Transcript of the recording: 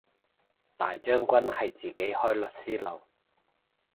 大將軍係自己開律師樓